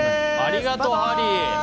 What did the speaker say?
ありがとう、ハリー！